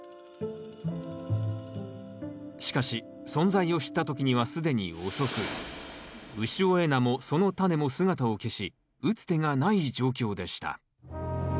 しかし存在を知った時には既に遅く潮江菜もそのタネも姿を消し打つ手がない状況でした。